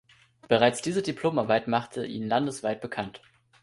Bereits diese Diplomarbeit machte ihn landesweit bekannt.